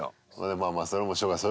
まあまあそれはもうしょうがない。